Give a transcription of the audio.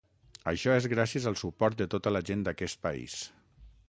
Això és gràcies al suport de tota la gent d’aquest país.